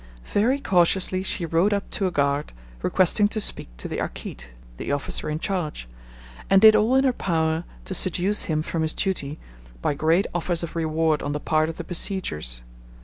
Very cautiously she rode up to a guard, requesting to speak to the 'Akid' (the officer in charge), and did all in her power to seduce him from his duty by great offers of reward on the part of the besiegers.